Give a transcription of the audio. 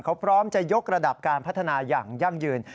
เขาพร้อมจะยกระดับการพัฒนาอย่างยั่งยืน